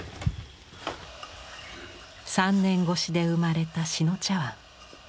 ３年越しで生まれた志野茶碗。